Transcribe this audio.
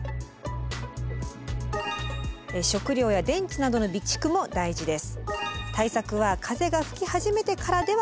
食料や電池などの備蓄も大事です。